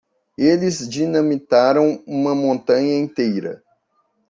Eles dinamitaram uma montanha inteira.